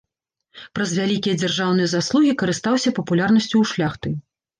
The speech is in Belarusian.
Праз вялікія дзяржаўныя заслугі карыстаўся папулярнасцю ў шляхты.